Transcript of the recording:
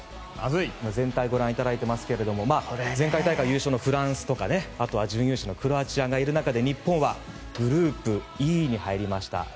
全体をご覧いただいていますが前回大会優勝のフランスとかあとは準優勝のクロアチアがいる中で日本はグループＥに入りました。